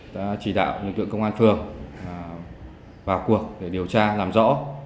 đã chỉ đạo lực lượng công an phường vào cuộc để điều tra làm rõ